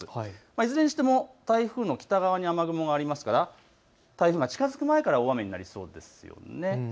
いずれにしても台風の北側に雨雲がありますから台風が近づく前から大雨になりそうです。